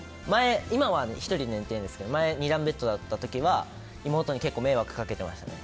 今は１人で寝てるんですけど前２段ベッドだった時は妹に迷惑かけてました。